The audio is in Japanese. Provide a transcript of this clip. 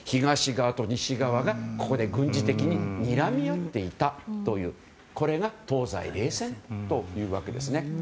東側と西側がここで軍事的ににらみ合っていたこれが東西冷戦というわけです。